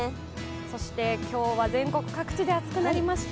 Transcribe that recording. そして今日は全国各地で暑くなりました。